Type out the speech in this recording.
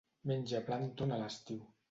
Menja plàncton a l'estiu.